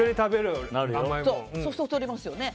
そうすると太りますよね。